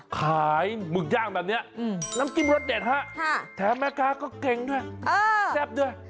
หมึกย่างแบบนี้น้ำจิ้มรสเด็ดฮะแถมแม่ค้าก็เก่งด้วยแซ่บด้วย